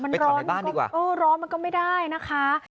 ไปถอดในบ้านดีกว่ามันร้อนก็ร้อนมันก็ไม่ได้นะคะ